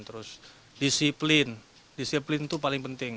terus disiplin disiplin itu paling penting